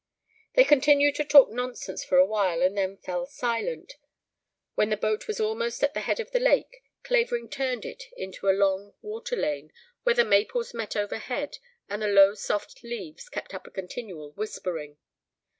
They continued to talk nonsense for a while and then fell silent. When the boat was almost at the head of the lake Clavering turned it into a long water lane where the maples met overhead and the low soft leaves kept up a continual whispering.